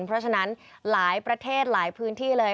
เพราะฉะนั้นหลายประเทศหลายพื้นที่เลย